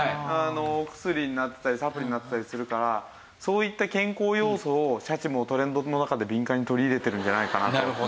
お薬になったりサプリになったりするからそういった健康要素をシャチもトレンドの中で敏感に取り入れてるんじゃないかなと。